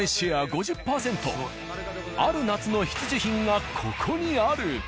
ある夏の必需品がここにある。